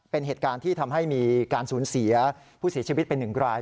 เป็นเหตุการณ์ที่ทำให้มีการสูญเสียผู้เสียชีวิตเป็นหนึ่งราย